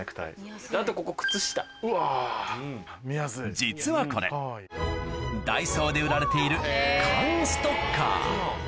実はこれダイソーで売られている缶ストッカー